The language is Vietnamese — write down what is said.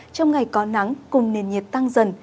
trong ngày có nắng cùng nền nhiệt tăng dần